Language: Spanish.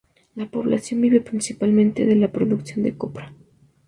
La población vive principalmente de la producción de copra.